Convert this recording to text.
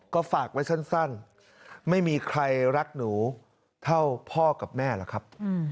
ก็ฝากไว้สั้นไม่มีใครรักหนูเท่าพ่อกับแม่หรอกครับ